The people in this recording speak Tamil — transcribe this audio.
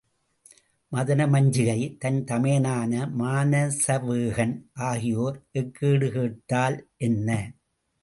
மதன மஞ்சிகை, தன் தமையனான மானசவேகன், ஆகியோர் எக்கேடு கேட்டால் என்ன?